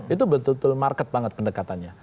itu betul betul market banget pendekatannya